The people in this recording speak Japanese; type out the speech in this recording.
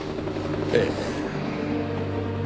ええ。